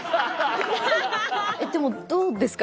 えっでもどうですか。